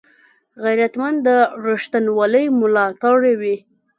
غیرتمند د رښتینولۍ ملاتړی وي